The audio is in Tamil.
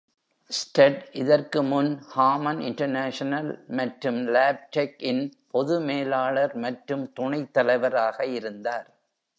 Stead இதற்கு முன் Harman International மற்றும் Labtec இன் பொது மேலாளர் மற்றும் துணைத்தலைவராக இருந்தார்.